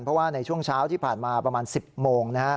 เพราะว่าในช่วงเช้าที่ผ่านมาประมาณ๑๐โมง